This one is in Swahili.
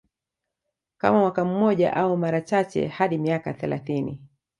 Kama mwaka mmoja au mara chache hadi miaka thelathini